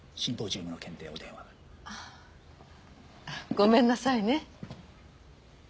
ごめんなさいね。